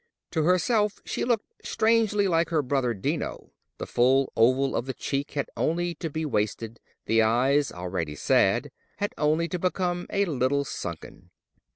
To herself she looked strangely like her brother Dino: the full oval of the cheek had only to be wasted; the eyes, already sad, had only to become a little sunken.